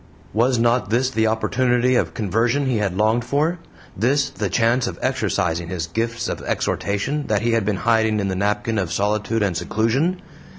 Was not this the opportunity of conversion he had longed for this the chance of exercising his gifts of exhortation that he had been hiding in the napkin of solitude and seclusion?